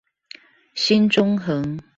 新中橫